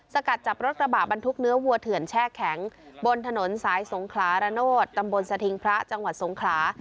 สกัดจับรถกระบะบรรทุกเนื้อวัวเถื่อนแช่แข็งบนถนนสายสงขลาระโนธตำบลสถิงพระจังหวัดสงขลา